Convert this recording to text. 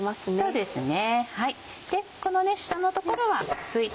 そうですね。